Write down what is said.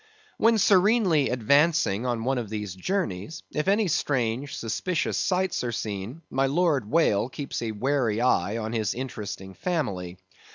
When serenely advancing on one of these journeys, if any strange suspicious sights are seen, my lord whale keeps a wary eye on his interesting family.